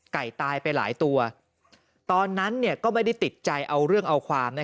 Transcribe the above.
ตายไปหลายตัวตอนนั้นก็ไม่ได้ติดใจเอาเรื่องเอาความ